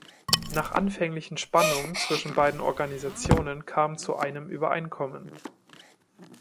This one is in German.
Nach anfänglichen Spannungen zwischen beiden Organisationen kam zu einem Übereinkommen.